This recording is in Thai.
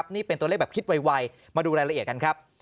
นี่เป็นตัวเลขแบบคิดไวมาดูรายละเอียดกันครับ